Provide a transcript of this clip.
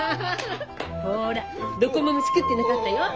ほらどこも虫食ってなかったよ。